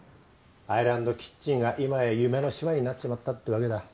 アイランドキッチンが今や夢の島になっちまったってわけだ。